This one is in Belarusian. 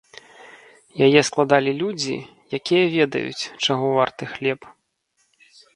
Яе складалі людзі, якія ведаюць, чаго варты хлеб.